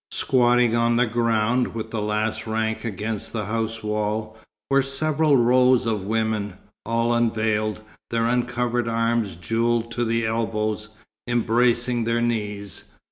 Squatting on the ground, with the last rank against the house wall, were several rows of women, all unveiled, their uncovered arms jewelled to the elbows, embracing their knees.